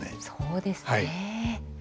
そうですね。